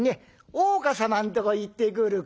大岡様のとこ行ってくるから」。